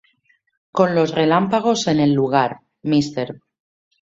Con los reemplazos en el lugar, Mr.